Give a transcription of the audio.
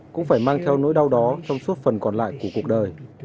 cũng phải mang theo nỗi đau đó trong suốt phần còn lại của cuộc đời